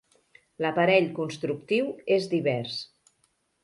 L'aparell constructiu és divers.